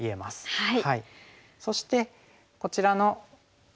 はい。